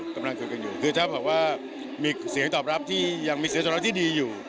กำลังคุยกันอยู่คือถ้าแบบว่ามีเสียงตอบรับที่ยังมีเสียงตอบรับที่ดีอยู่